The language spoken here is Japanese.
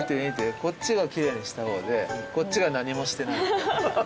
こっちが奇麗にした方でこっちが何もしてない。